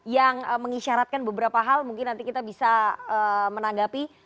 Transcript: yang mengisyaratkan beberapa hal mungkin nanti kita bisa menanggapi